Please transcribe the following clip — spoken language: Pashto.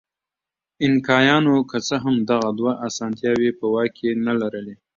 اینکایانو که څه هم دغه دوه اسانتیاوې په واک کې نه لرلې.